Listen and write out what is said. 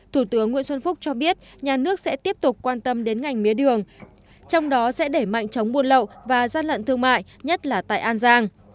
thủ tướng nguyễn xuân phúc cho biết nhà nước sẽ tiếp tục quan tâm đến ngành mía đường trong đó sẽ đẩy mạnh chống buôn lậu và gian lận thương mại nhất là tại an giang